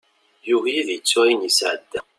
Yugi ad yettu ayen yesɛedda.